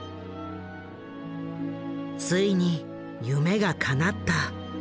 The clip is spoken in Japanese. ついに夢がかなった。